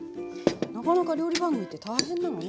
なかなか料理番組って大変なのね。